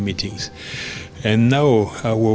dan sekarang pekerjaan kami dari jakarta